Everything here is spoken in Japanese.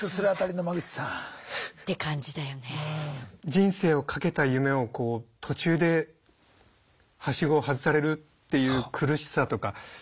人生を懸けた夢をこう途中ではしごを外されるっていう苦しさとか。